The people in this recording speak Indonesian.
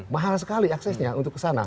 mahal sekali aksesnya untuk kesana